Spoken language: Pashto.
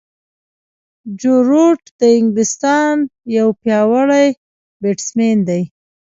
جو روټ د انګلستان یو پیاوړی بیټسمېن دئ.